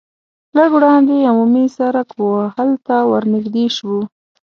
لږ وړاندې عمومي سرک و هلته ور نږدې شوو.